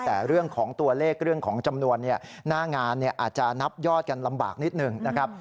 แต่เรื่องของตัวเลขเรื่องของจำนวนหน้างานอาจจะนับยอดกันลำบากนิดหนึ่งนะครับ